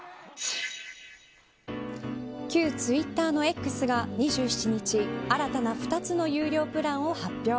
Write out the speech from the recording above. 旧ツイッターのＸが２７日新たな２つの有料プランを発表。